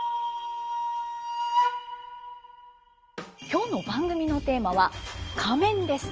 今日の番組のテーマは「仮面」です。